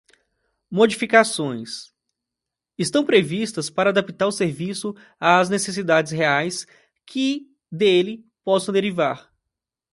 Modificações: estão previstas para adaptar o serviço às necessidades reais que dele possam derivar.